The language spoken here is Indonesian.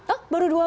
oh baru dua bulan